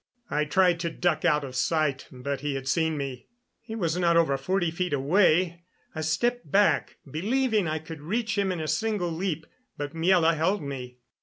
I tried to duck out of sight, but he had seen me. He was not over forty feet away. I stepped back, believing I could reach him in a single leap; but Miela held me.